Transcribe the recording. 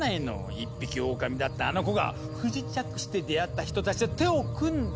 一匹狼だったあの子が不時着して出会った人たちと手を組んで。